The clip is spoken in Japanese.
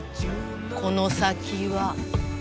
この先は。